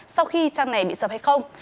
sau khi trang này bị sập hay không